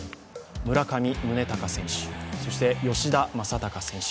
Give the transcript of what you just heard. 村上宗隆選手、そして吉田正尚選手